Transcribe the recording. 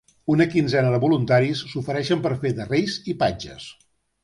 Una quinzena de voluntaris s'ofereixen per fer de reis i patges.